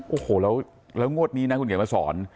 โอ้โหแล้วงวดนี้นะคุณเขียนมาสอน